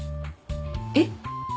えっ？